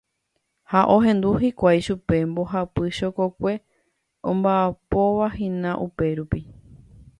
Ha ohendu hikuái chupe mbohapy chokokue omba'apovahína upérupi.